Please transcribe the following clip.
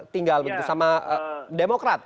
tinggal begitu sama demokrat